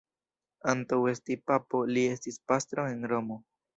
Antaŭ esti papo, li estis pastro en Romo.